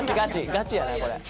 ガチやなこれ。